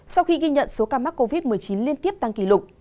sau khi ghi nhận số ca mắc covid một mươi chín liên tiếp tăng kỷ lục